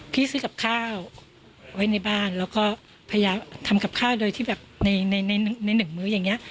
ซื้อกับข้าวไว้ในบ้านแล้วก็พยายามทำกับข้าวโดยที่แบบในหนึ่งมื้ออย่างนี้